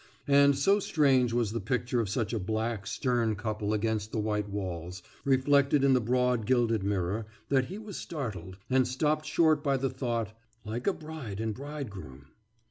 And so strange was the picture of such a black stern couple against the white walls, reflected in the broad gilded mirror, that he was startled, and stopped short by the thought: »Like a bride and bridegroom.